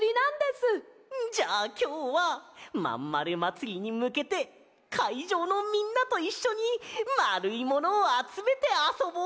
じゃあきょうはまんまるまつりにむけてかいじょうのみんなといっしょにまるいものをあつめてあそぼうぜ！